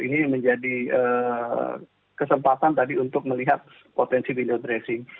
ini menjadi kesempatan tadi untuk melihat potensi window dressing